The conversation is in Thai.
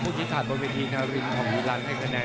นี่ถัดบนพิธีนารินของวีรันท์ให้คะแนน